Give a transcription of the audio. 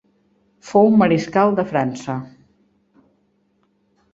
Fou mariscal de França.